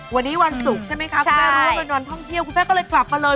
วันนี้วันศุกร์ใช่ไหมคะคุณแม่รู้ว่าเป็นวันท่องเที่ยวคุณแม่ก็เลยกลับมาเลย